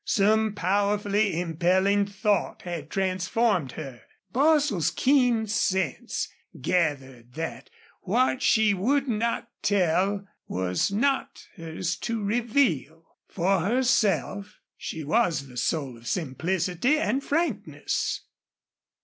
Some powerfully impelling thought had transformed her. Bostil's keen sense gathered that what she would not tell was not hers to reveal. For herself, she was the soul of simplicity and frankness.